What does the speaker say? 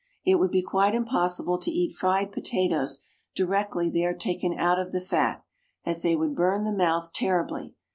It would be quite impossible to eat fried potatoes directly they are taken out of the fat, as they would burn the mouth terribly.